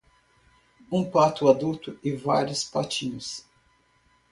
Há um pato adulto e vários patinhos.